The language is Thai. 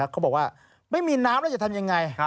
เขาบอกว่าไม่มีน้ำแล้วจะทำยังไง